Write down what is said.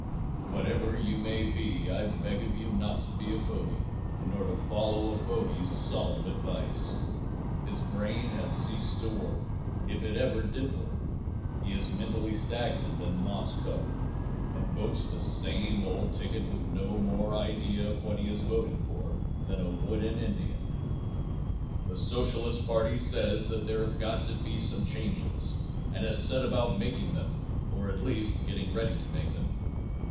Whatever you may be I beg of you not to be a fogy, nor to follow a fogy's solemn advice. His brain has ceased to work if it ever did work. He is mentally stagnant and moss covered and votes the same old ticket with no more idea of what he is voting for than a wooden Indian. The Socialist party says there have got to be some changes and has set about making them, or at least getting ready to make them.